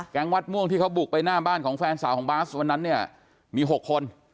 วัดม่วงที่เขาบุกไปหน้าบ้านของแฟนสาวของบาสวันนั้นเนี่ยมี๖คน